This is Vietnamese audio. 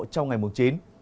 trong ngày mùng chín